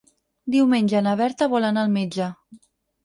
Diumenge na Berta vol anar al metge.